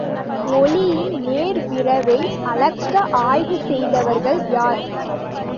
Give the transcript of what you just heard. ஒளியின் நேர்விரைவை அளக்க ஆய்வு செய்தவர்கள் யார்?